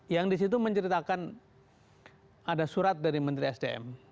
yang di situ menceritakan ada surat dari menteri sdm